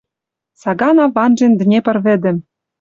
Сагана ванжен Днепр вӹдӹм —